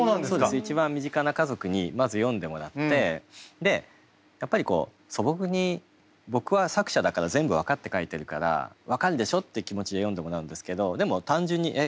一番身近な家族にまず読んでもらってでやっぱり素朴に僕は作者だから全部分かって書いてるから分かるでしょ？っていう気持ちで読んでもらうんですけどでも単純にえっ